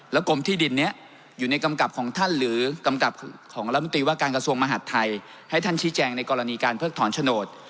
กรมที่ดินนี้อยู่ในกำกับของท่านหรือกำกับของรัฐมนตรีว่าการกระทรวงมหาดไทยให้ท่านชี้แจงในกรณีการเพิกถอนโฉนด